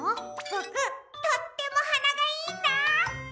ボクとってもはながいいんだ！